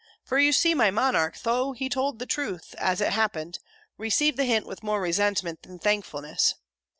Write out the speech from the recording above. For you see, my monarch, though he told the truth, as it happened, received the hint with more resentment than thankfulness!